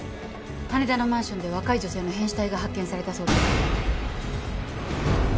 羽田のマンションで若い女性の変死体が発見されたそうです。